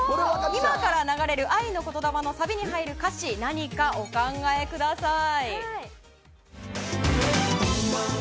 今から流れる愛の言霊のサビに入る歌詞、何かお考えください。